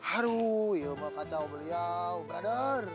aduh ya mau kacau beliau brother